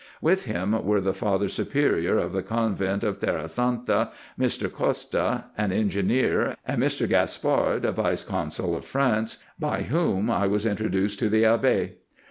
With him were the father superior of the convent of Terra Santa, Mr. Costa, an engineer, and Mr. Gaspard, vice consul of France, by whom I was introduced to the Abbe.